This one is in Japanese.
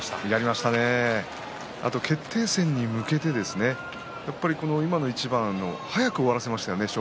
また、決定戦に向けて今の一番早く終わらせましたね。